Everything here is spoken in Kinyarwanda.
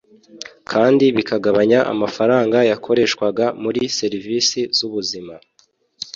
kandi bikagabanya amafaranga yakoreshwaga muri serivisi z’ubuzima”